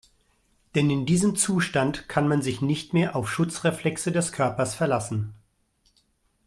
Denn in diesem Zustand kann man sich nicht mehr auf Schutzreflexe des Körpers verlassen.